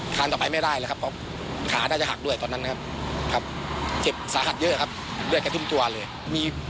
ถ้าไม่ได้พิวนี้